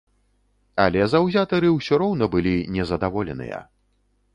Але заўзятары ўсё роўна былі не задаволеныя.